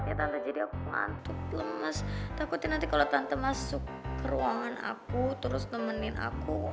ya tante jadi aku mantuk lemes takutin nanti kalau tante masuk ke ruangan aku terus nemenin aku